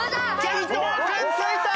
伊藤君ついた！